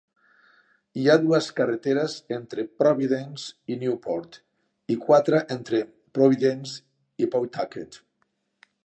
Hi ha dues carreteres entre Providence i Newport, i quatre entre Providence i Pawtucket.